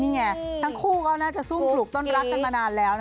นี่ไงทั้งคู่ก็น่าจะซุ่มปลูกต้นรักกันมานานแล้ว